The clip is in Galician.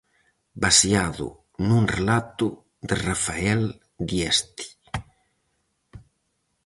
Baseado nun relato de Rafael Dieste.